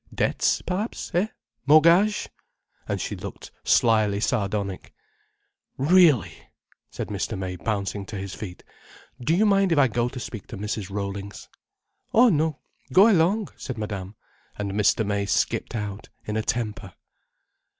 "Debts perhaps—eh? Mortgage—" and she looked slyly sardonic. "Really!" said Mr. May, bouncing to his feet. "Do you mind if I go to speak to Mrs. Rollings—" "Oh no—go along," said Madame, and Mr. May skipped out in a temper.